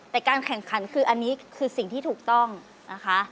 แต่การแข่งขันคืออันนี้คือสิ่งที่ถูกต้องนะคะ